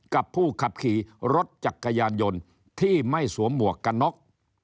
กับผู้ขับขี่รถจักรยานยนต์ที่ไม่สวมหมวกกันน็อก